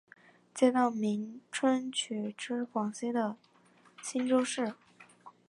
街道名称取自广西的钦州市。